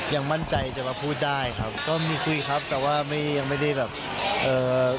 ยังมั่นใจจะมาพูดได้ครับก็มีคุยครับแต่ว่าไม่ยังไม่ได้แบบเอ่อ